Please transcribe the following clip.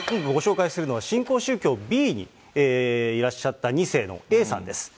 ご紹介するのは、新興宗教Ｂにいらっしゃった２世のＡさんです。